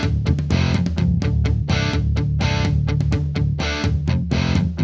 aku mau ke sana